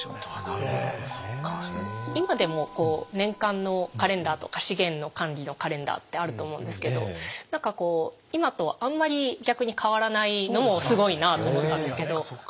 今でもこう年間のカレンダーとか資源の管理のカレンダーってあると思うんですけど何かこう今とあんまり逆に変わらないのもすごいなあと思ったんですけど。